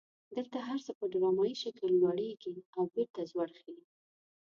دلته هر څه په ډرامایي شکل لوړیږي او بیرته ځوړ خي.